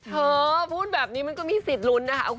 เธอพูดแบบนี้มันก็มีสิทธิลุ้นนะคะ